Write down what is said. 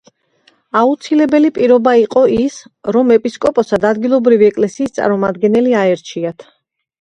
აუცილებელი პირობა იყო ის, რომ ეპისკოპოსად ადგილობრივი ეკლესიის წარმომადგენელი აერჩიათ.